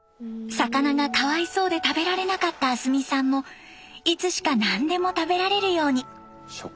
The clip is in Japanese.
魚がかわいそうで食べられなかった明日美さんもいつしか何でも食べられるように。